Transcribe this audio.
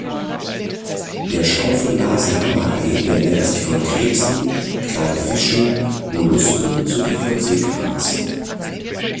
Der Schaufelnasen-Hammerhai ernährt sich von Krebsen, kleinen Fischen, Mollusken sowie von Seegras.